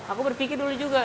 aku berpikir dulu juga